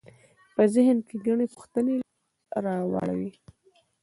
په ذهن کې ګڼې پوښتنې راولاړوي.